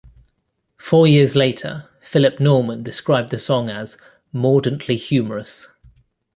Four years later, Philip Norman described the song as "mordantly humorous".